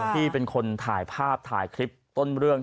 ที่เป็นคนถ่ายภาพถ่ายคลิปต้นเรื่อง